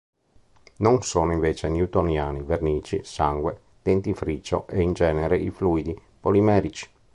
Non sono invece newtoniani vernici, sangue, dentifricio e in genere i fluidi polimerici.